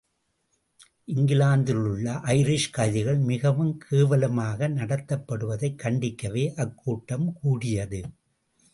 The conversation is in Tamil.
இங்கிலாந்திலுள்ள ஐரிஷ் கைதிகள் மிகவும் கேவலமாக நடத்தப்படுவதைக் கண்டிக்கவே அக் கூட்டம் கூடியது.